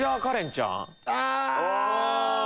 あぁ！